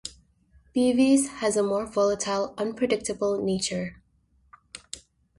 Beavis has a more volatile, unpredictable nature.